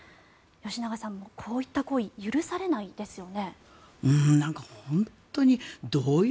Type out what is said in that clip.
吉永さん、こういった行為許されないですよね。